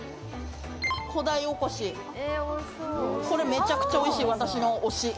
これ、めちゃくちゃおいしい私の推し。